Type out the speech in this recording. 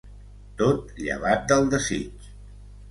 Tot, llevat del desig.